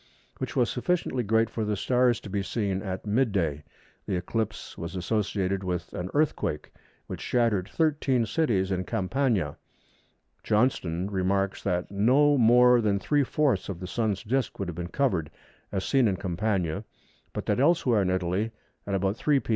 which was sufficiently great for the stars to be seen at mid day. The eclipse was associated with an earthquake, which shattered thirteen cities in Campania. Johnston remarks that no more than three fourths of the Sun's disc would have been covered, as seen in Campania, but that elsewhere in Italy, at about 3 p.